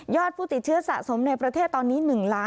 ยอดผู้ติดเชื้อสะสมในประเทศตอนนี้๑๒๘๕๕๓๔